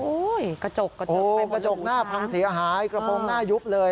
โอ้ยกระจกกระจกโอ้ยกระจกหน้าพังเสียหายกระโปรงหน้ายุบเลย